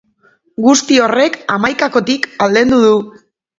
Guzti horrek hamaikakotik aldendu du.